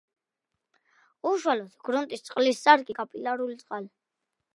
უშუალოდ გრუნტის წყლის სარკის თავზე გავრცელებულია კაპილარული წყალი.